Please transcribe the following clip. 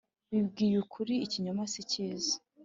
Bibwiye ukuri ikinyoma sikiza